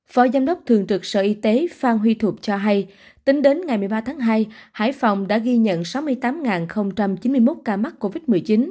phó giám đốc thường trực sở y tế phan huy thục cho hay tính đến ngày một mươi ba tháng hai hải phòng đã ghi nhận sáu mươi tám chín mươi một ca mắc covid một mươi chín